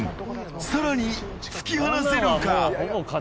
更に、突き放せるか。